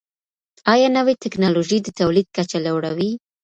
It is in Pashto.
ايا نوې ټکنالوژي د تولید کچه لوړوي؟